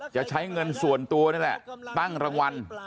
จะใช้เงินส่วนตัวนี่แหละตั้งรางวัล